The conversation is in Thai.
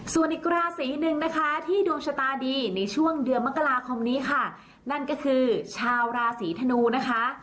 ส่วนอีกราศีหนึ่งนะคะที่ดวงชะตาดีในช่วงเดือนมกราคมนี้ค่ะนั่นก็คือชาวราศีธนูนะคะ